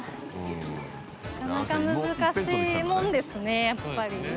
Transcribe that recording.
なかなか難しいもんですねやっぱり。